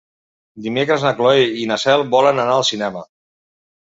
Dimecres na Cloè i na Cel volen anar al cinema.